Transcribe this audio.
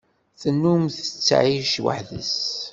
Tennum tettɛic weḥd-s.